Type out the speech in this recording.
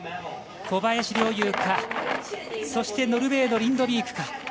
小林陵侑かノルウェーのリンドビークか。